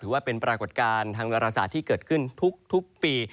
ว่าเป็นปรากฏการณ์ทางดาราศาสตร์ที่เกิดขึ้นทุกปี